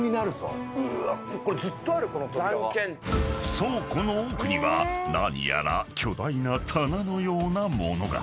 ［倉庫の奥には何やら巨大な棚のような物が］